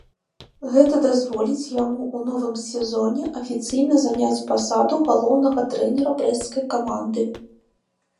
Гэта дазволіць яму ў новым сезоне афіцыйна заняць пасаду галоўнага трэнера брэсцкай каманды.